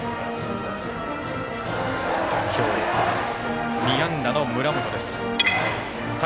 今日、２安打の村本です。